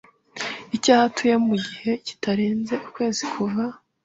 cy aho atuye mu gihe kitarenze ukwezi kuva